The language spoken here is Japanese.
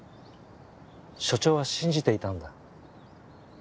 署長は信じていたんだ。